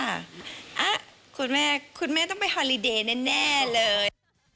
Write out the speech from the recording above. อ่ะคุณแม่คุณแม่ต้องไปฮอลิเดย์แน่เลย